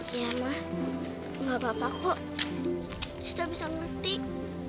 iya ma gak apa apa kok sita bisa menertik